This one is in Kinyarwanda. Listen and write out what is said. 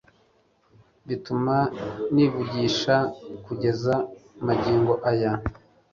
bituma nivugisha kugeza magingo aya